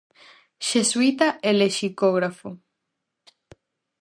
Xesuíta e lexicógrafo.